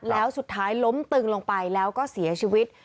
แล้วสุดท้ายล้มตึงลงไปแล้วก็เสียชีวิต